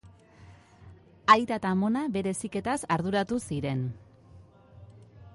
Aita eta amona bere heziketaz arduratu ziren.